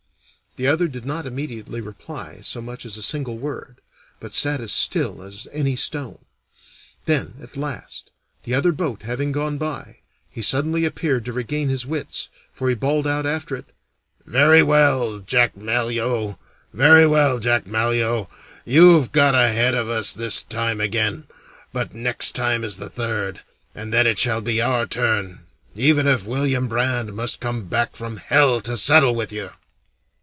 The other did not immediately reply so much as a single word, but sat as still as any stone. Then, at last, the other boat having gone by, he suddenly appeared to regain his wits, for he bawled out after it, "Very well, Jack Malyoe! Very well, Jack Malyoe! you've got ahead of us this time again, but next time is the third, and then it shall be our turn, even if William Brand must come back from hell to settle with you."